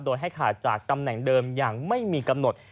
โดยให้ขาดจากตำแหน่งเดิมอย่างไม่มีกำหนด